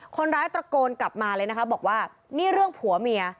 ตระโกนกลับมาเลยนะคะบอกว่านี่เรื่องผัวเมีย